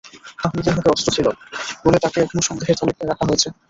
তাহমিদের হাতে অস্ত্র ছিল বলে তাঁকে এখনো সন্দেহের তালিকায় রাখা হয়েছে।